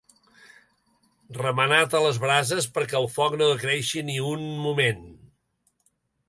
Remenat a les brases perquè el foc no decreixi ni un moment.